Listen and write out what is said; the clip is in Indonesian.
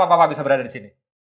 kenapa bapak bisa berada disini